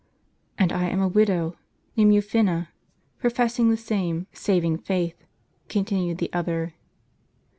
"And I am a widow, named Eufina, professing the same savdng faith," continued the other.